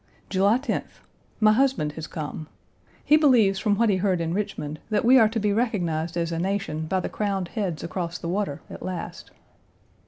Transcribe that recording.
July 10th. My husband has come. He believes from what he heard in Richmond that we are to be recognized as a nation by the crowned heads across the water, at last.